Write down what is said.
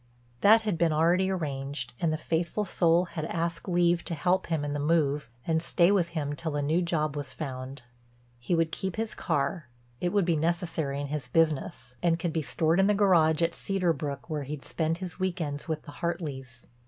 That had been already arranged and the faithful soul had asked leave to help him in the move and stay with him till a new job was found. He would keep his car—it would be necessary in his business—and could be stored in the garage at Cedar Brook where he'd spend his week ends with the Hartleys.